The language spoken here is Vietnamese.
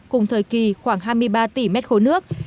cùng thời kỳ khoảng hai mươi ba tỷ m ba nước